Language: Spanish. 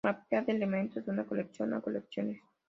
Mapea de elementos de una colección a colecciones.